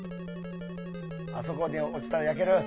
あそこに落ちたら焼ける。